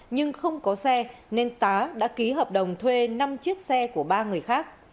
nhưng không có xe nên tá đã ký hợp đồng thuê năm chiếc xe của ba người khác